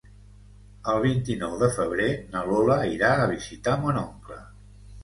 El vint-i-nou de febrer na Lola irà a visitar mon oncle.